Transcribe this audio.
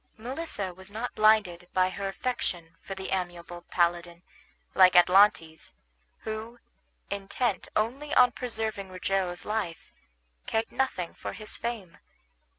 Melissa was not blinded by her affection for the amiable paladin, like Atlantes, who, intent only on preserving Rogero's life, cared nothing for his fame.